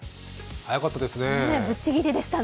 速かったですね。